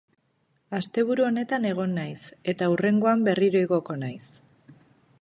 Asteburu honetan egon naiz, eta hurrengoan berriro igoko naiz.